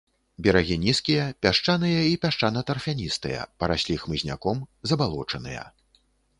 Берагі нізкія, пясчаныя і пясчана-тарфяністыя, параслі хмызняком, забалочаныя.